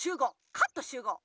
カットしゅうごう！